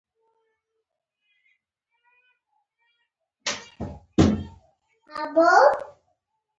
آیا دوزخ حق دی؟